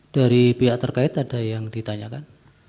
dari pihak terkait ada yang ditanyakan